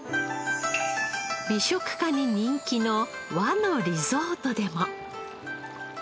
美食家に人気の和のリゾートでも。